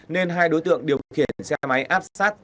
nên hai đối tượng điều khiển xe máy áp sát